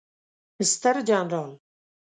ستر جنرال